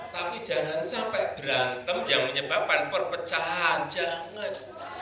tapi jangan sampai berantem yang menyebabkan perpecahan jangan